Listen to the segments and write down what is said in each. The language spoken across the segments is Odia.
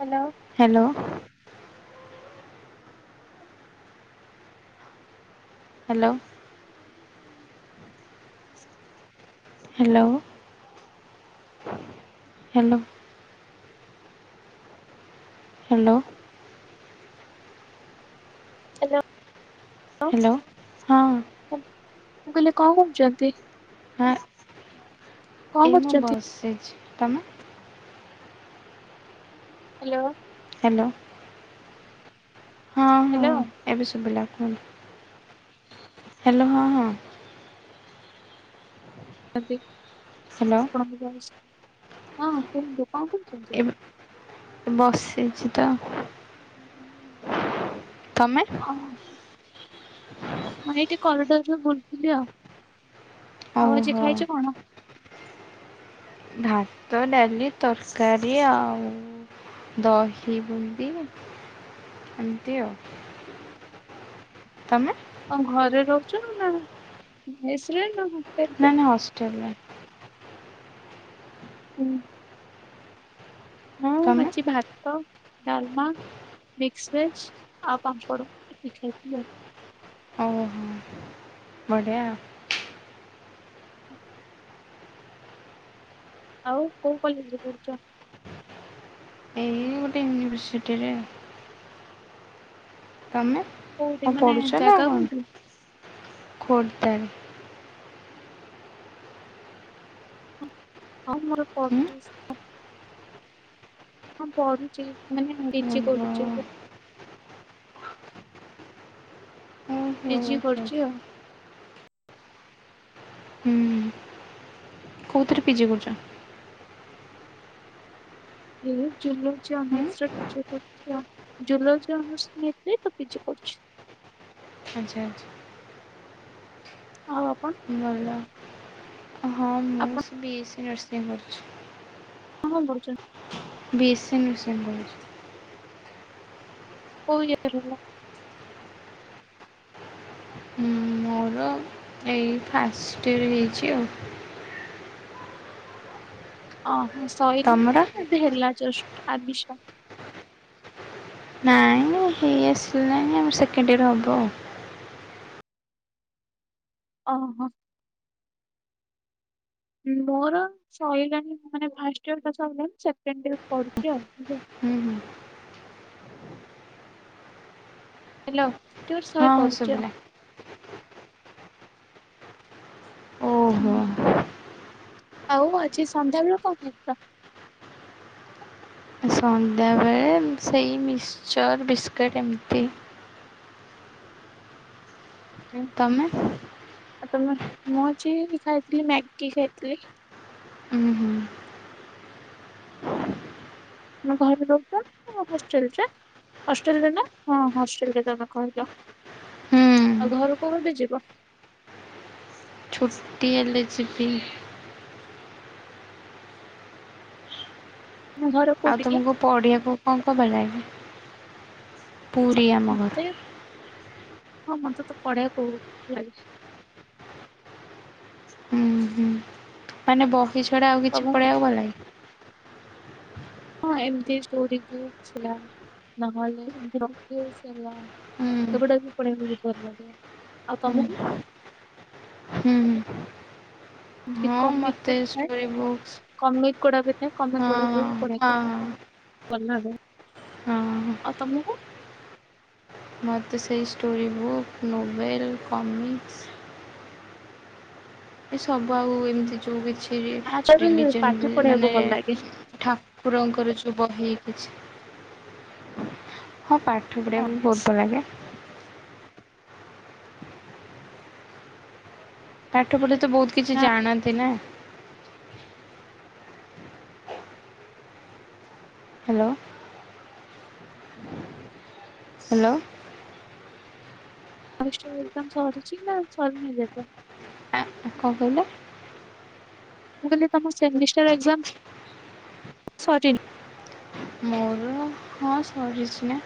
Hello. Hello. Hello. Hello. Hello. Hello. Hello hello ହଁ ମୁଁ କହିଲି କଣ କରୁଛନ୍ତି? ହଁ କଣ ଏଇ ମୁଁ କରୁଛନ୍ତି ବସିଛି ତମେ? ହ୍ୟାଲୋ। ହ୍ୟାଲୋ। ହଁ। ହଁ ହ୍ୟାଲୋ। ଏବେ ଶୁଭିଲା କୁହନ୍ତୁ? ହ୍ୟାଲୋ ହଁ ହଁ। [unintelligible] ହ୍ୟାଲୋ। ହଁ କୁହନ୍ତୁ କଣ? କରୁଛନ୍ତି? ଏବେ ବସିଛି ତ ଆଉ। ତମେ? ଓ ହ। ମୁଁ ଏଇଠି କରିଡରରେ ବୁଲଥିଲି ଆଉ। ଆଉ ଆଜି ଓହୋ ଖାଇଛ କଣ? ଭାତ, ଡାଲି, ତରକାରୀ ଆଉ ଦହି ବୁନ୍ଦି ଏମତି ଆଉ। ତମେ? କଣ ଘରେ ରହୁଛ ନା ମେସରେ ନା କଣ? ନ ନା ହାଷ୍ଟେଲରେ। ହୁଁ। ହଁ ମୁଁ ତମେ ଆଜି ଭାତ ଡାଲମା, ମିକ୍ସ ଭେଜ ଆଉ ପାମ୍ପଡ଼ ଏତିକି ଖାଇଥିଲି ଆଉ। ଓହୋ। ବଢିଆ। ଆଉ କୋଉ କଲେଜରେ ପଢୁଛ? ମୁଁ ଗୋଟେ ୟୁନଭର୍ସିଟିରେ ଆଉ। ତମେ କୋଉଠି କଉଣ ମାନେ ପଢ଼ୁଛ ନା ଜାଗା କୋଉଠି? କଣ? ଖୋର୍ଦାରେ। ହଉ ମୋର ଉଁ ପଢୁଛି ଶ ହଁ ପଢୁଛି ମାନେ ପିଜି ଓହୋ କରୁଛି ଏବେ। ଓହୋ ପିଜି ଆଚ୍ଛା କରୁଛି ଆଉ। ହୁଁ। କୋଉଥିରେ ପିଜି କରୁଛ? ଏଇ ଜୁଲୋଜି ଉଁ ଅନର୍ସ ରଖିଚି ପଢୁଛି ଆଉ। ଜୁଲୋଜି ଅନର୍ସ ନେଇଥିଲି ତ ପିଜି କରୁଚି। ଆଛା ଆଛା। ଆଉ ଆପଣ? ଭଲ ହଁ ଆପଣ ମୁଁ ସେ ବିଏସି ନର୍ସିଂ କରିଛି। [inaudible] କଣ ପଢୁଛନ୍ତି? ବି ଏ ସି ନର୍ସିଙ୍ଗ କରୁଚି। କଉ ଇଅର ହେଲା? ହଁ ମୋର ଏଇ ଫାଷ୍ଟଇୟର ହେଇଛି ଆଉ। ଓ ହୋ ଶଇନି ତମର ଏବେ ହେଲା ଜଷ୍ଟ ଆଡ଼ମିଶନ। ନାଇଁ ମ ହେଇ ଆସିଲାନି ଆମର ସେକେଣ୍ଡ ଇୟର ହବ ଆଉ। ଓହୋ। ମୋର ସଇଲାଣି ମାନେ ଫାଷ୍ଟ ଇୟର ତ ସଇଲାଣି ସେକେଣ୍ଡ ଇୟର ପଢୁଚି ଆଉ ବ ହୁଁ ହୁଁ। ହେଲ ହଁ [unintelligible] ହଁ କରୁଚି ଆଉ। ଶୁଭିଲା ଓହୋ। ହୁଁ ଆଉ ଆଜି ସନ୍ଧ୍ୟାବେଳୁ କଣ ଖାଇ [inaudible] ସନ୍ଧ୍ୟାବେଳେ ସେଇ ମିକ୍ସଚର୍ ବିସ୍କୁିଟ୍ ଏମିତି। ହୁଁ। ତମେ ଆଉ ତମେ ମୁଁ ଅଛି କି ଖାଇଥିଲି ମ୍ୟାଗି ଖାଇଥିଲି। ଉଁ ହୁଁ। ତମେ ଘରେ ରହୁଚ ହଷ୍ଟେଲ ରେ। ହଷ୍ଟେଲ ରେ ନା ହଁ ହଷ୍ଟେଲ ରେ ତମେ କହିଜ। ହୁଁ ଆଉ ଘରୁକୁ [unintelligible] ଯିବ ଛୁଟି ହେଲେ ଯିବି। ନା ଘର ଆଉ କୋଉଠି କି? ତୁମକୁ ପଡ଼ିଆକୁ କଁ କଁ ଭଲ ଲାଗେ ପୁରୀ ଆମ ମତେ ଘର। ହଁ ମତେ ତ ପଢେଆ [unintelligible] ହୁଁ ହୁଁ ମାନେ ବହି ଛଡ଼ା ଆଉ କିଛି ତମକୁ ପଢିଆବାକୁ ଭଲ ଲାଗେ। ହଁ ଏମିତିଷ୍ଟୋରି ବୁକ୍ଲ ହେଲା ନ ହଲେ [inaudible] ହେଲା। ହୁଁ ଏଗୁଡା ବି ପଢ଼ିବାକି ବହୁତ ଭଲ ଲାଗେ ଆଉ ତମକୁ? ହୁଁ। ହଁ କମିକ୍ ମୋତେ ଗୋଡ଼ା ଥାଏ ଷ୍ଟୋରି ବୁକ୍ସ୍ କମିକ୍ ଗୋଡା ବି ଥାଏ ହଁ ହଁ [unintelligible] ହଁ ହଁ ହଁ ଆଉ ତମୁକୁ। ମୋତେ ସେଇ ଷ୍ଟୋରି ବୁକ୍ ନୋଭେଲ୍ କମିକ୍ସ ଏଇ ସବୁ ଆଉ ଏମିତି ଯଉ କିଛି ରି ଆର୍ଟ୍ସ ବି ରିଲିଜନ ପାଠ ରେ ପଢିବାକୁ ମାନେ ଭଲ ଲାଗେ। ଠାକୁରଙ୍କର ଯୋଉ ବହି କିଛି। ହଁ ପାଠ ପଢ଼ିବାକୁ ବି ଓହୋ। ବହୁତ ଭଲ ଲାଗେ। ପାଠ ପଢେ ତ ବହୁତ କିଛି ଜାଣନ୍ତି ନା। ହାଲୋ। ହାଲୋ। ଅଉ ଏ [unintelligible] ଏକଜାମ ସରିଯି ନା ସରିନି [unintelligible] ଆ କଣ କହିଲେ। ମୁ କହିଲ ତମ ସେମିଷ୍ଟାର ଏକଜାମ୍ସ ସରିନି। ମୋର ହଁ ସରିଛି ନା।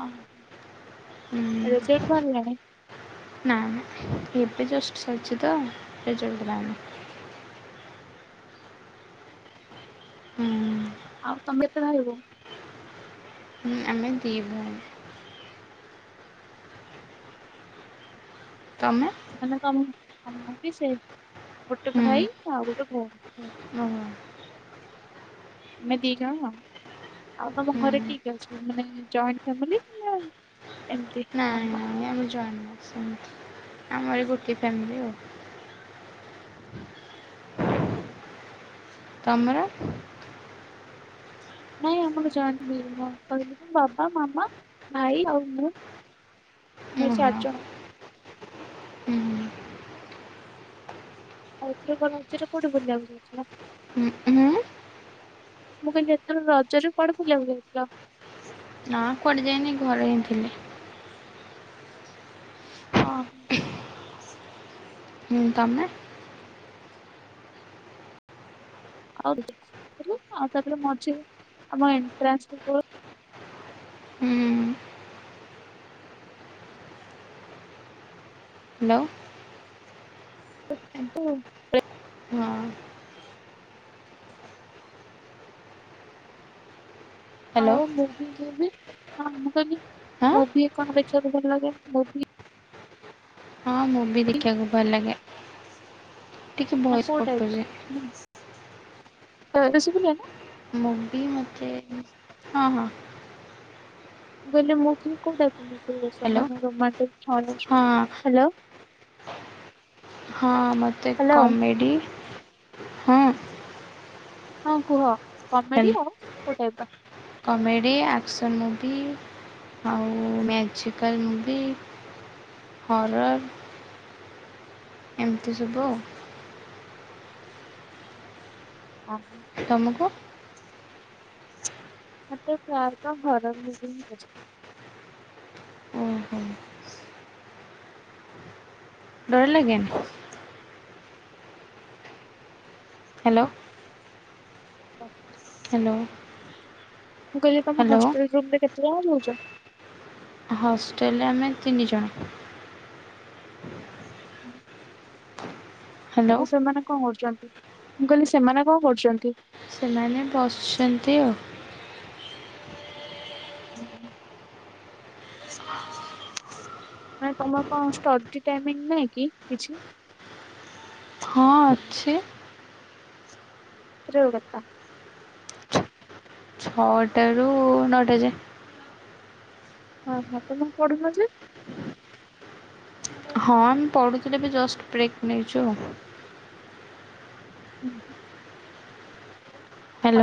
ଅ ହ ରୋଷେଇ [unintelligible] ଭଲ ଲାଗେ ନାଁ। ଏବେ ଜଷ୍ଟ ସରୁଚି ତ। [unintelligible] ଆଉ ତମେ କେତେ ଭାଇ ଭଉ ହୁଁ ଆମେ ଦି ଭଉଣୀ। ତମେ। ମାନେ ତମ୍ ଆମେବି ସେମ୍ ଗୋଟେ ହୁଁ ଭାଇ ଆଉ ଗୋଟେ ଭଉଣୀ। ଓହୋ ଆମେ ଦି ଜଣ ଆଉ। ଆଉ ତମ ହୁଁ ଘରେ କିଏ କିଏ ଅଛନ୍ତି ମାନେ ଜଏଣ୍ଟ ଫାମଲୀ ନା ଏମିତି। ନାଇଁ ନାଇଁ ଆମେ ଜଏଣ୍ଟ ନୁହଁ ସେମିତି ଆମର ଗୋଟେ ଫାମାଲି ଆଉ। ତମର? ନାଇଁ ଆମର ଜଏଣ୍ଟଲି ମୋ ଅଙ୍କଲ ମୁଁ ବାବା ମାମା ଭାଇ ଆଉ ମୁଁ। ଆମେ ଉଁ ହ। ଚାରିଜଣ। ଆଉ ଏଥରକ ରଜରେ କୋଉଠି ବୁଲିବାକୁ ଯାଇଥିଲ? ଉଁ ହୁଁ? ମୁଁ କହିଲି ଏଥର ରଜରେ କୁଆଡ଼େ ବୁଲିବାକୁ ଯାଇଥିଲ? ନାଁ କୁଆଡ଼େ ଯାଇନେଇ ଘରେ ହିଁ ଥିଲି। ଅହ। ହୁଁ ତମେ? ଆଉ [inaudible] ଆଉ ତାପରେ ମଝିରେ ଆମ ଏଣ୍ଟ୍ରାନ୍ସରେ [unintelligible] ହୁଁ। ଲ ଏଁ ତୁ ହଁ। ହ୍ୟାଲୋ ଆଉ ମୁଭି ଯୋଉ ବି ହଁ କହିଲି ହଁ ମୁଭି କଣ ଦେଖିବାକୁ ଭଲ ଲାଗେ ମୁଭି? ହଁ ମୁଭି ଦେଖିବାକୁ ଭଲ ଲାଗେ। ଟିକେ ମାନେ ଭଏସ୍ କୋଉ କଟୁଛି ଟାଇପିର? ତ ଏବେ ଶୁବିଲା ନା? ମୁଭି ମତେ ହଁ ହଁ। ମୁଁ କହିଲି ମୁଭି କୋଉ ହ୍ୟାଲୋ ଟାଇପିର ରୋମାଣ୍ଟିକ, ହରର୍? ହଁ ହେଲୋ। ହଁ ମତେ ହ୍ୟାଲୋ। କମେଡ଼ି ହଁ। ହଁ କୁହ କମେଡି ହ୍ୟାଲୋ ଆଉ କୋଉ ଟାଇପିର? କମେଡ଼ି ଆକ୍ସନ୍ ମୁଭି ଆଉ ମ୍ୟାଜିକାଲ୍ ମୁଭି। ହରର୍। ଏମତି ସବୁ ଆଉ। ଅ ହଁ। ତମୁକୁ? ମତେ ପ୍ରାୟତଃ ହରର୍ ମୁଭି ହିଁ ପ ଓହୋ ଡର ଲାଗେନି? ହ୍ୟାଲୋ। ତ ହ୍ୟାଲୋ। ମୁଁ କହିଲି ତମ ହ୍ୟାଲୋ ହଷ୍ଟେଲ ରୁମ୍ ରେ କେତେ ଜଣ ରହୁଚ? ହଷ୍ଟେଲରେ ଆମେ ତିନି ଜଣ। ଉଁ ହ୍ୟାଲୋ ଆଉ ସେମାନେ କଁ କରୁଚନ୍ତି? ମୁଁ କହିଲି ସେମାନେ କଁ କରୁଚନ୍ତି? ସେମାନେ ବସଛନ୍ତି ଆଉ। ଉଁ ହୁଁଁ। [inaudible] ଆଏଁ ତମର କଁ ଷ୍ଟଡି ଟାଇମିଂ ନାହିଁ କି କିଛି? ହଁ ଅଛି। ରୁ ଗେତା ଛଅଟା ରୁ ନଅଟା ଯାଏ। ଅଁ ହଁ ତମର ମୁଁ ପଢୁନ ଯେ? ହଁ ଆମେ ପଢ଼ୁଥୁଲୁ ଏବେ ଜଷ୍ଟ ବ୍ରେକ୍ ନେଇଚୁ ଆଉ। [inaudible]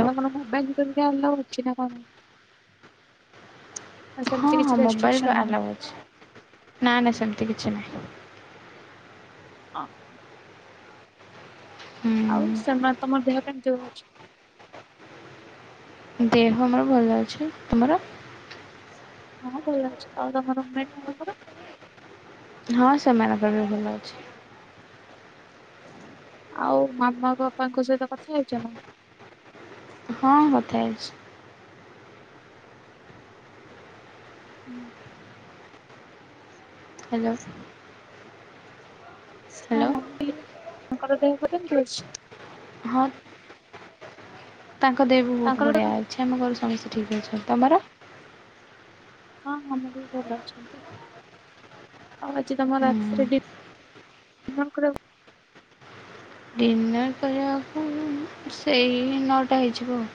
ଆଉ ମାନ ମୋବାଇଲ ଗି ଆଲା ଅଛିିନା କଣ? ନା ସେମିତି ହଁ କିଛି ହଁ ମୋବାଇଲ ରେଷ୍ଟ୍ରିକସନ ବି ନାହିଁ? ଆଲାଉ ଅଛି ନା ନା ସେମିତି କିଛି ନାହିଁ। ହଁ। ଆଉ ହୁଁ ସେମାନେ ତମ ଦେହ କେମିତି ଅଛି? ଦେହ ମୋର ଭଲ ଅଛି ତମର? ହଁ ଭଲ ଅଛି ଆଉ ତମ ମେଟ୍ ମାନଙ୍କର? ହଁ ସେମାନ କର ବି ଭୁଲ ଅଛି। ଆଉ ମାମା ବାପାଙ୍କ ସହିତ କଥା ହେଇଚ ନା? ହଁ କଥା ହେଇଚି। ହୁଁ। ହାଲୋ। ହଁ ମମି ତାଙ୍କର ଦେହ ଭଲ ଅଛି? ହଁ। ତାଙ୍କ ଦେହ ବି ବହୁତ୍ ତାଙ୍କର ବଢ଼ିଆ ତ ଅଛି ଆମ ଘରୁ ସମସ୍ତେ ଠିକ୍ ଅଛନ୍ତି ତମର? ହଁ ହଁ ମମି ବି ଭଲ ଅଛନ୍ତି। ଆଉ ଆଜି ତମ ହୁଁ ରାଜ୍ ରେଡି [inaudible] ପୁରା। ଡିନର୍ କରିବାକୁ ସେଇ ନଅଟା ହେଇଯିବ ଆଉ।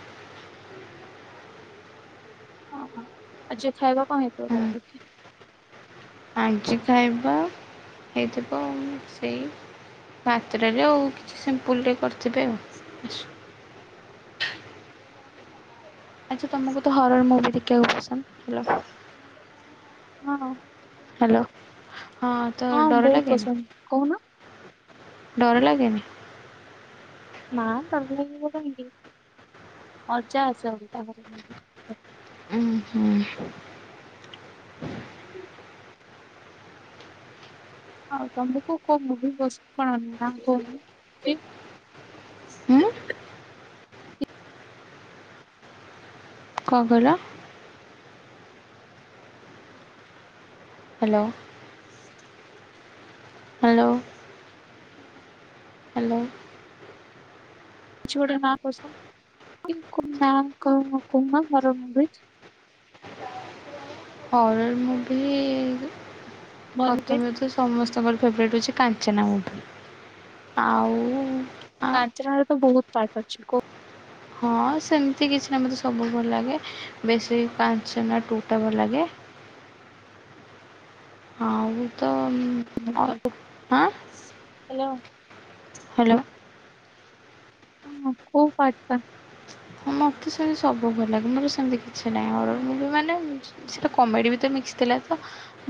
ଓଁ ହଁ ଆଜି ଖାଇବା କଣ ହୁଁ ହେଇଥିବ [inaudible] ଆଜି ଖାଇବା ହେଇଥିବ ସେଇ ମାତ୍ରରେ ଆଉ କିଛି ସିମ୍ପୁଲ୍ ଟେ କରିଥିବେ। ଆଚ୍ଛା ତୁମକୁ ତ ହରର ମୁଭି ଦେଖିବାକୁ ପସନ୍ଦ [inaudible] ହଁ। ହାଲୋ ହଁ ତ ହଁ ଡର ବହୁତ ଲାଗେନି? ପସନ୍ଦ। କହୁନ। ଡର ଲାଗେନି? ନା ଡର ଲାଗିବ କାହିଁକି ମଜା ଆସେ ତା ଘରେ। ଉୁଁ ହୁଁ। ଆଉ ତମକୁ କୋଉ ମୁଭି ପସ୍ କଣ [inaudible] ଉଁ। କ କହିଲ? ହାଲୋ। ହାଲୋ। ହାଲୋ। କିଛି ଗୋଟେ ନା ପସନ୍ଦ [unintelligible] ହରଣ ମୁଭି ଭଲ ଯେ ପ୍ରଥମେ। ତ ସମସ୍ତଙ୍କର ଫେବରେଟ୍ ହେଉଛି କାଞ୍ଚନା ମୁଭି ଆଉ ଆ ପାଞ୍ଚରାରେ ତ ବହୁତ୍ ପାଟ୍ ଅଛି କଉ? ହଁ ସେମିତି କିଛି ନା ମୋତେ ସବୁ ଭଲ ଲାଗେ ବେଶୀ କାଞ୍ଚନା ଟୁ ଟା ଭଲ ଲାଗେ। ହଁଉ ତ ଅ ହାଁ ହାଲୋ। ହାଲୋ। ହଁ କୋଉ ପାଟ୍ ଟା? ମତେ ସେମିତି ସବୁ ଭଲ ଲାଗେ ମାନେ ସେମିତି କିଛି ନାହିଁ ମୁଁ ବି ମାନେ। ସେଟା କମେଡ଼ି ବି ତ ମିକ୍ସ ଥିଲା ତ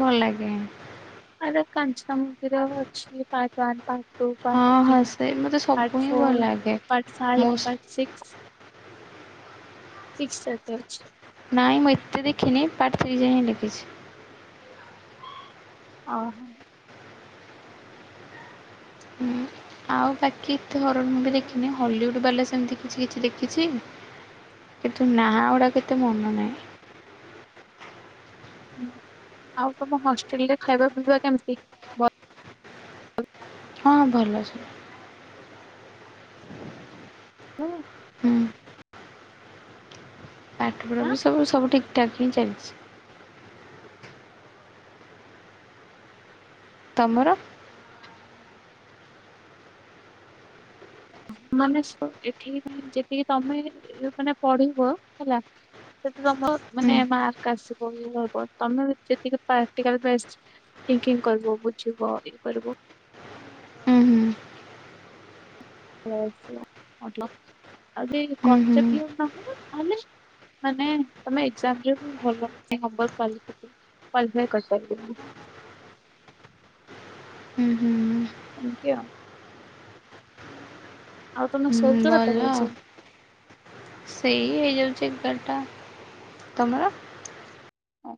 ଭଲ ଲାଗେ। ଆ କାଞ୍ଚନ ମୁବିର ଅଛି ପା ପାର୍ଟ ଟୁ ପାର୍ଟ ହଁ ଥ୍ରୀ ହସେ ମୋତେ ସବୁ ପାର୍ଟ ହିଁ ଭଲ ଫୋର ଲାଗେ part five most part six. Six ଯାକେ ଅଛି। ନାଇଁ ମୁଁ ଏତେ ଦେଖିନି ପାର୍ଟ ଥ୍ରୀ ଯାଏ ହିଁ ଦେଖିଛି। ଓହୋ। ହୁଁ ଆଉ ବାକି ଏତେ ହରର ମୁଭି ଦେଖିନି ହଲିଉଡ଼୍ ବାଲା ସେମିତି କିଛି କିଛି ଦେଖିଛି। କିନ୍ତୁ ନାଁ ଗୁଡ଼ାକ ଏତେ ମନ ନାହିଁ। ହୁଁ ଆଉ ତମ ହଷ୍ଟେଲରେ ଖାଇବା ପିଇବା କେମିତି? ଭଲ ହଁ ଭଲ ସବୁ। ହଁ। ହୁଁ ପାଠପଢାବି ସବୁ ସବୁ ଠିକ୍ ଠାକ୍ ହିଁ ଚାଲିଛି। ତମର। ମାନେ ଏଠି ଯେତିକି ତମେ ମାନେ ପଢିବ ହେଲା ସେଠ ତମର ହୁଁ ମାନେ ମାର୍କ ଆସିବ ଇଏ ହବ ତମେ ଯେତିକି ପ୍ରାକ୍ଟିକାଲ ପା କି କଇବୁ ବୁଝିବ ଇଏ କରିବୁ। ହୁଁ ହୁଁ। ମ ଆଜି ହୁଁ କ ଚା ନ ତାହଲେ ମାନେ ତମେ ଏକ୍ଜାମରେ ବି ଭଲ ହଛିବ କ କ୍ଵାଲିଫାଏ କରିପାରିବ। ହୁଁ ହୁଁ ହୁଁ। ଏମିତି ଆଉ। ଆଉ ତମେ ସୋଉଛ ହୁଁ କେତବେଳେ ଭଲ ସବୁ। ସେଇ ହେଇଯାଉଛି ଏଗାରଟା ତମର?